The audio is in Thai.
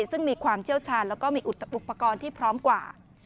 ซึ่งมีความเชี่ยวชาญแล้วก็มีอุปกรณ์ที่พร้อมกว่า